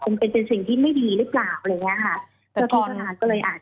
คงเป็นเป็นสิ่งที่ไม่ดีหรือกล่าวอะไรอย่างนี้ครับ